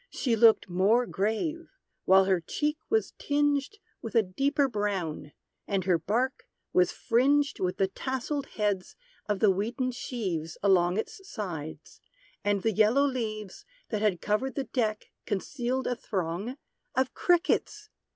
She looked more grave; while her cheek was tinged With a deeper brown; and her bark was fringed With the tasselled heads of the wheaten sheaves Along its sides; and the yellow leaves, That had covered the deck concealed a throng Of _Crickets!